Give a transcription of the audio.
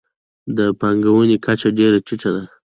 د پانګونې کچه ډېره ټیټه ده.